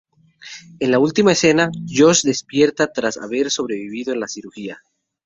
En la última escena, Josh despierta tras haber sobrevivido a la cirugía.